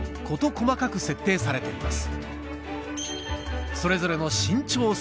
細かく設定されています